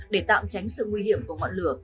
để tạm tránh sự nguy hiểm của ngọn lửa